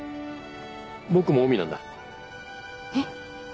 僕もオウミなんだえっ？